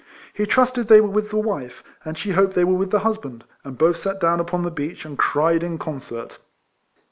He trusted they were with the wife; and she hoped they were with the husband; and both sat down upon the beach, and cried in concert.